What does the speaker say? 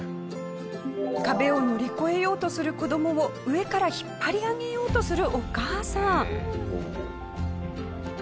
壁を乗り越えようとする子どもを上から引っ張り上げようとするお母さん。